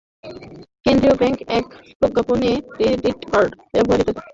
কেন্দ্রীয় ব্যাংক এক প্রজ্ঞাপনে ক্রেডিট কার্ড ব্যবহারকারীদের বয়সসংক্রান্ত বিষয়ে এ সংশোধনী এনেছে।